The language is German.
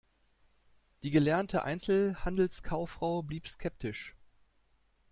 Die gelernte Einzelhandelskauffrau blieb skeptisch.